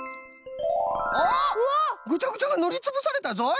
おっぐちゃぐちゃがぬりつぶされたぞい！